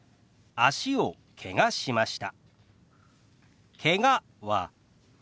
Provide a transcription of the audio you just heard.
脚をけがしました。